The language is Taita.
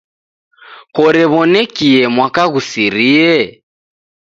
Korew'oneki mwaka ghusirie?